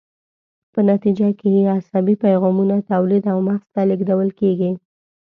په نتیجه کې یې عصبي پیغامونه تولید او مغز ته لیږدول کیږي.